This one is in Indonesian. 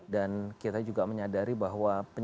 dan kita juga menyadari bahwa penyebaran virus ini